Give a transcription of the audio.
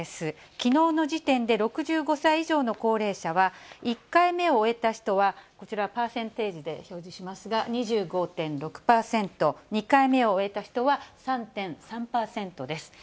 きのうの時点で６５歳以上の高齢者は、１回目を終えた人はこちら、パーセンテージで表示しますが、２５．６％、２回目を終えた人は３．３％です。